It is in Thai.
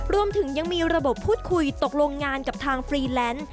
รวมถึงยังมีระบบพูดคุยตกลงงานกับทางฟรีแลนซ์